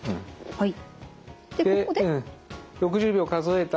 はい。